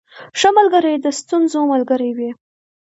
• ښه ملګری د ستونزو ملګری وي.